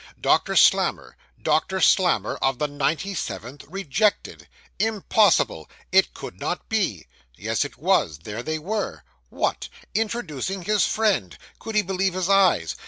Doctor Slammer Doctor Slammer of the 97th rejected! Impossible! It could not be! Yes, it was; there they were. What! introducing his friend! Could he believe his eyes!